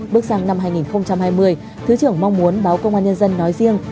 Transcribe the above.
bước sang năm hai nghìn hai mươi thứ trưởng mong muốn báo công an nhân dân nói riêng